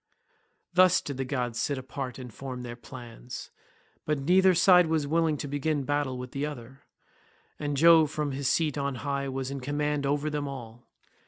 Thus did the gods sit apart and form their plans, but neither side was willing to begin battle with the other, and Jove from his seat on high was in command over them all.